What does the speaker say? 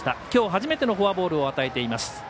きょう初めてのフォアボールを与えています。